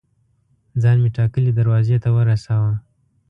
ځان مې ټاکلي دروازې ته ورساوه.